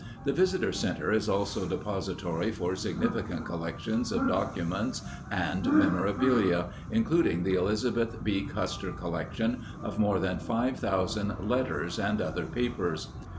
The visitor center is also deposi tory for significant collec tions of documents and memorabilia, including the Elizabeth B. Custer Collec tion of more than 5,000 letters and other papers.